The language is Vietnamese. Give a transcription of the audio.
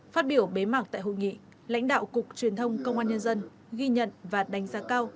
phát biểu bế mạc tại hội nghị lãnh đạo cục truyền thông công an nhân dân ghi nhận và đánh giá cao